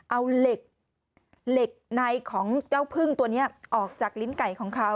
เอาเหล็กเหล็กในของเจ้าพึ่งตัวนี้ออกจากลิ้นไก่ของเขา